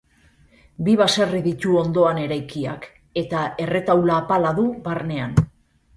Bi baserri ditu ondoan eraikiak eta erretaula apala du barnean.